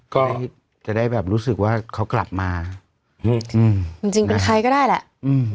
ก็ให้จะได้แบบรู้สึกว่าเขากลับมาอืมอืมจริงจริงเป็นใครก็ได้แหละอืม